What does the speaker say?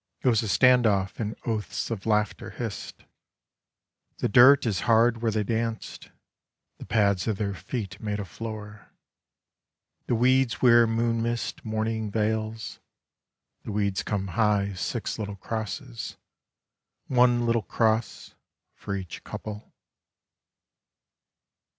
It was a stand off in oaths of laughter hissed; The dirt is hard where they danced. The pads of their feet made a floor. The weeds wear moon mist mourning veils. The weeds come high as six little crosses, One little cross for each couple.